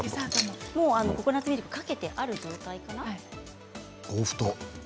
ココナツミルクかけてある状態かな？